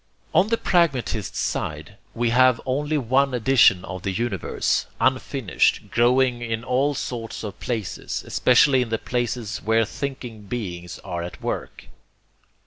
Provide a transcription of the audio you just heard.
On the pragmatist side we have only one edition of the universe, unfinished, growing in all sorts of places, especially in the places where thinking beings are at work.